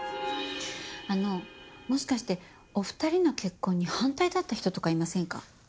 あのもしかしてお二人の結婚に反対だった人とかいませんか？